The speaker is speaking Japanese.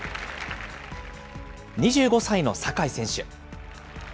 ２５歳の坂井選手。